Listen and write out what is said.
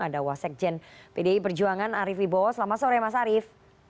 ada wasekjen pdi perjuangan arief ibowo selamat sore mas arief